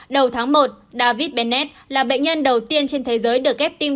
đầu tháng một david bennett là bệnh nhân đầu tiên trên thế giới được kép tim